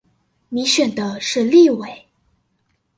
你選的是立委